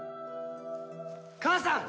母さん！